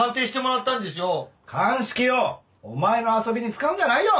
鑑識をお前の遊びに使うんじゃないよ！